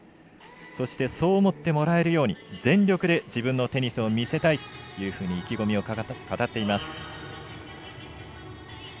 そしてそう思ってもらえるように全力で自分のテニスを見せたいというように意気込みを語っています。